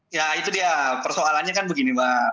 ya itu dia persoalannya kan begini mbak